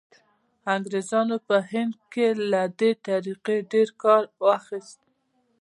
انګریزانو په هند کې له دې طریقې ډېر کار واخیست.